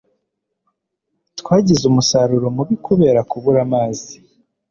Twagize umusaruro mubi kubera kubura amazi.